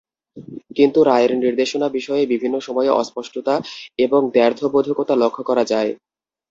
কিন্তু রায়ের নির্দেশনা বিষয়ে বিভিন্ন সময়ে অস্পষ্টতা এবং দ্ব্যর্থবোধকতা লক্ষ করা যায়।